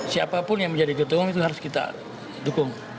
siapapun yang menjadi ketua umum itu harus kita dukung